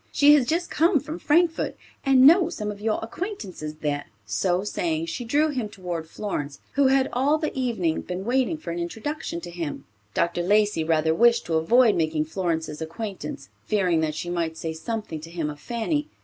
She has just come from Frankfort and knows some of your acquaintances there." So saying, she drew him toward Florence, who had all the evening been waiting for an introduction to him. Dr. Lacey rather wished to avoid making Florence's acquaintance, fearing that she might say something to him of Fanny.